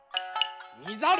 みざる。